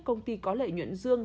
công ty có lợi nhuận dương